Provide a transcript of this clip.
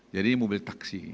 jadi mobil taksi